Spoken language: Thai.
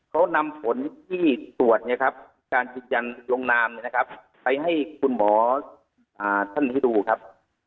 เขานำผลที่ตรวจการจิตยันต์โรงนามไปให้คุณหมอท่านนี้ดูครับ